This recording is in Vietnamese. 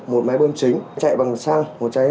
một máy bơm chính chạy bằng xăng